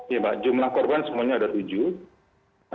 iya mbak jumlah korban semuanya ada tujuh